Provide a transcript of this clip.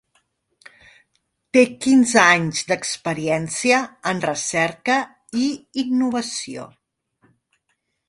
Té quinze anys d'experiència en recerca i innovació.